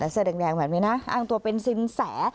เสื้อแดงเหมือนมั้ยนะอ้างตัวเป็นสินแส